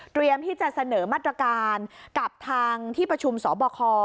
ที่จะเสนอมาตรการกับทางที่ประชุมสบค